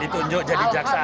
ditunjuk jadi jaksa agung